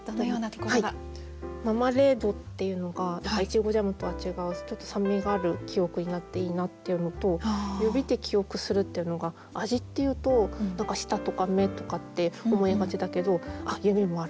「ママレード」っていうのがやっぱりイチゴジャムとは違うちょっと酸味がある記憶になっていいなっていうのと「指で記憶する」っていうのが味っていうと何か舌とか目とかって思いがちだけど指もある。